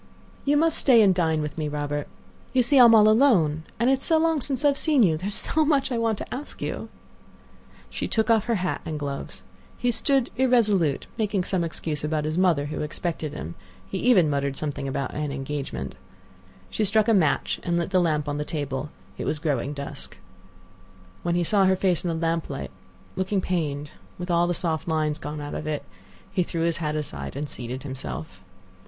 "You must stay and dine with me, Robert. You see I am all alone, and it is so long since I have seen you. There is so much I want to ask you." She took off her hat and gloves. He stood irresolute, making some excuse about his mother who expected him; he even muttered something about an engagement. She struck a match and lit the lamp on the table; it was growing dusk. When he saw her face in the lamp light, looking pained, with all the soft lines gone out of it, he threw his hat aside and seated himself.